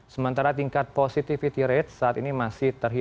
sementara tingkat positivity rate saat ini masih terhitung